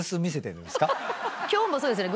今日もそうですね。